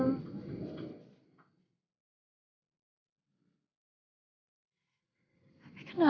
kenapa mata mama kamu seolah olah aku yang salah